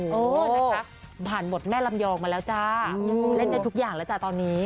โหผ่านหมดแม่ลำยองมาแล้วจ้าเล่นในทุกอย่างแล้วจ้ะตอนนี้